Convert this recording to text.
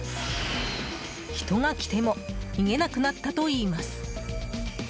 人が来ても逃げなくなったといいます。